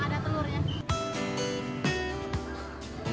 yang ada telurnya